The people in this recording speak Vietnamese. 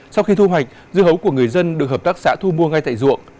sau khi thu hoạch dưa hấu của người dân được hợp tác xã thu mua ngay tại ruộng